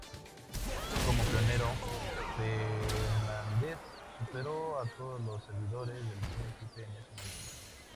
Como pionero, Fernandes superó a todos los servidores del príncipe en ese momento.